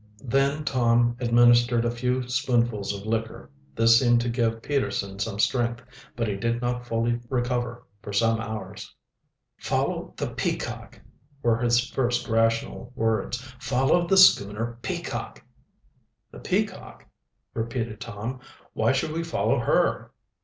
Then Tom administered a few spoonfuls of liquor. This seemed to give Peterson some strength, but he did not fully recover for some hours. "Follow the Peacock," were his first rational words. "Follow the schooner Peacock." "The Peacock?" repeated Tom. "Why should we follow her?"